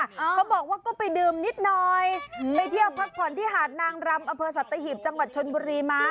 เขาบอกว่าก็ไปดื่มนิดหน่อยไปเที่ยวพักผ่อนที่หาดนางรำอำเภอสัตหีบจังหวัดชนบุรีมา